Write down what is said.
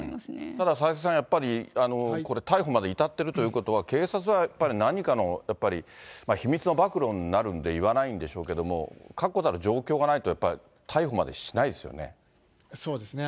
ただ佐々木さん、やっぱりこれ、逮捕まで至っているということは、警察はやっぱり何かのやっぱり秘密の暴露になるから言わないんでしょうけど、確固たる状況がないと、そうですね。